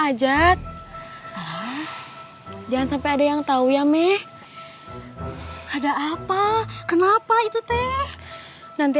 aja jalan saatnya yang tahu yang meh ada apa kenapa itu te nanti